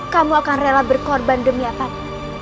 kamu akan rela berkorban demi apa